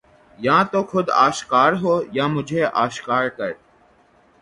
یا تو خود آشکار ہو یا مجھے آشکار کر